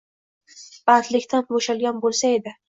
Bandilikdan bo’shalgan bo’lsa edi.